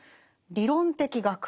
「理論的学」